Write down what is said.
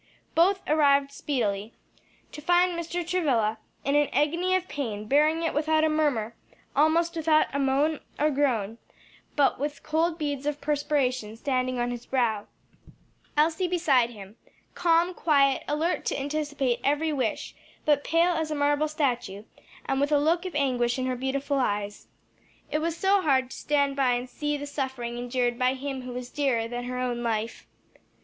Both arrived speedily, to find Mr. Travilla in an agony of pain, bearing it without a murmur, almost without a moan or groan, but with cold beads of perspiration standing on his brow; Elsie beside him, calm, quiet, alert to anticipate every wish, but pale as a marble statue and with a look of anguish in her beautiful eyes. It was so hard to stand by and see the suffering endured by him who was dearer than her own life.